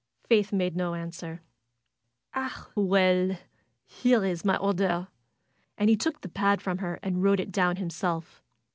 Faith made no answer. "Ah, well! Here's my order!" And he took the pad from her and wrote it down himself.